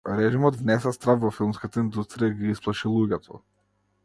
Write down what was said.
Режимот внесе страв во филмската индустрија, ги исплаши луѓето.